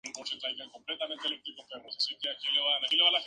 Actualmente reside en el Municipio de Columbus, Condado de St.